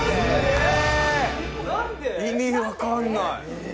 えー、意味分かんない。